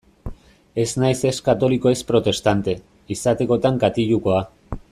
Ez naiz ez katoliko ez protestante; izatekotan katilukoa.